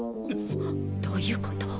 どういうこと！？